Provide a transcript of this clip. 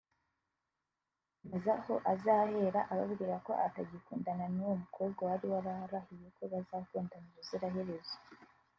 akibaza aho azahera ababwira ko atagikundana n'uwo mukobwa wari wararahiye ko bazakundana ubuziraherezo